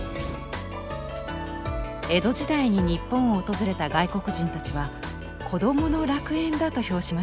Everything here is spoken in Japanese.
江戸時代に日本を訪れた外国人たちは「子どもの楽園」だと評しました。